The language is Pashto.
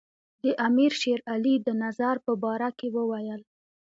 د امیر شېر علي د نظر په باره کې وویل.